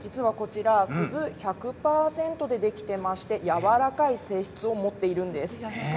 すず１００％でできていまして柔らかい性質を持っているんです。